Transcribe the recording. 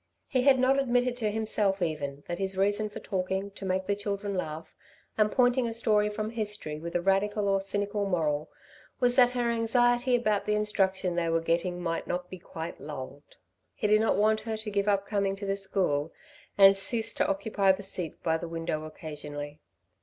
He had not admitted to himself even that his reason for talking to make the children laugh and pointing a story from history with a radical or cynical moral, was that her anxiety about the instruction they were getting might not be quite lulled. He did not want her to give up coming to the school and cease to occupy the seat by the window occasionally.